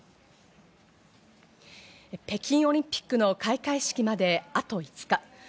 北京オリンピックの開会式まであと２日。